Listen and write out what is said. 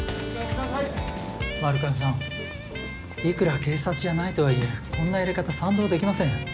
丸川さんいくら警察じゃないとはいえこんなやり方賛同できません。